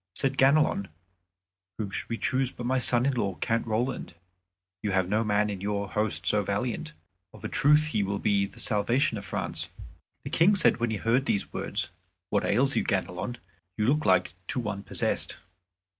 Said Ganelon, "Whom should we choose but my son in law, Count Roland? You have no man in your host so valiant. Of a truth he will be the salvation of France." The King said when he heard these words, "What ails you, Ganelon? You look like to one possessed."